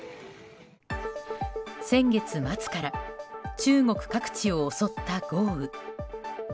先月末から中国各地を襲った豪雨。